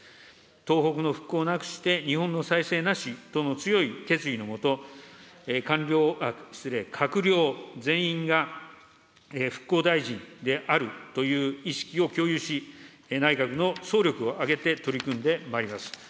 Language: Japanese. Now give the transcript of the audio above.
東北の復興なくして日本の再生なしとの強い決意のもと、官僚、失礼、閣僚全員が復興大臣であるという意識を共有し、内閣の総力を挙げて取り組んでまいります。